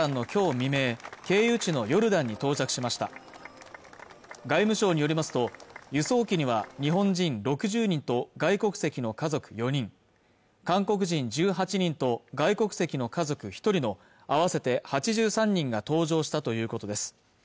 未明経由地のヨルダンに到着しました外務省によりますと輸送機には日本人６０人と外国籍の家族４人韓国人１８人と外国籍の家族一人の合わせて８３人が搭乗したということです